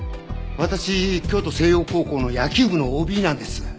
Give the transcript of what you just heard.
私京都星耀高校の野球部のＯＢなんです。